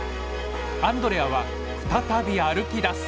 アンドレアは再び歩きだす。